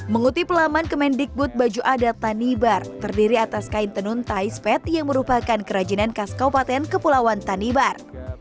mengutip laman kemendikbud baju adat tanibar terdiri atas kain tenun tai sped yang merupakan kerajinan khas kaupaten kepulauan tanibar